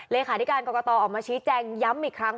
เลขาธิการกรกตออกมาชี้แจงย้ำอีกครั้ง